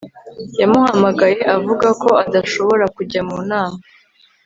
Yamuhamagaye avuga ko adashobora kujya mu nama